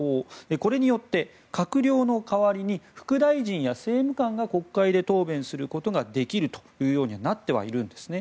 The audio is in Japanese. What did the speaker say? これによって、閣僚の代わりに副大臣や政務官が国会で答弁することができるとなってはいるんですね。